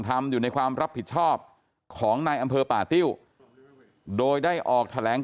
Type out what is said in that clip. ทำอยู่ในความรับผิดชอบของนายอำเภอป่าติ้วโดยได้ออกแถลง